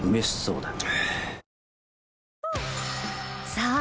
さあ